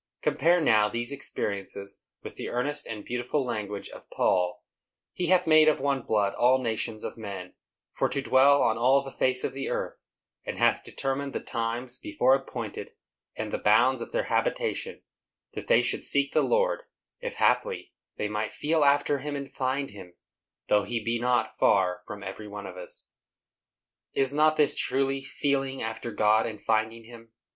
Compare now these experiences with the earnest and beautiful language of Paul: "He hath made of one blood all nations of men, for to dwell on all the face of the earth; and hath determined the times before appointed and the bounds of their habitation, that THEY SHOULD seek the Lord, if haply they might FEEL AFTER HIM AND FIND HIM, though he be not far from every one of us." Is not this truly "feeling after God and finding Him"?